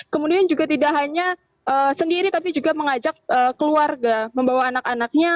kemudian juga tidak hanya sendiri tapi juga mengajak keluarga membawa anak anaknya